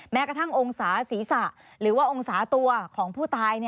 แม้กระทั่งองศาศีรษะหรือว่าองศาตัวของผู้ตาย